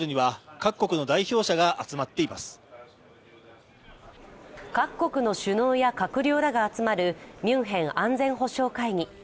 各国の首脳や閣僚らが集まるミュンヘン安全保障会議。